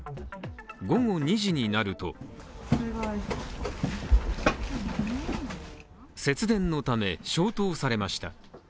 午後２時になると節電のため、消灯されました。